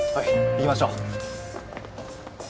行きましょう。